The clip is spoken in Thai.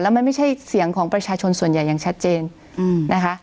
มันไม่ใช่เสียงของประชาชนส่วนใหญ่อย่างชัดเจนนะคะ